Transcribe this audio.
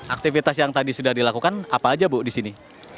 aktivitas yang tadi sudah dilakukan apa aja bu di sini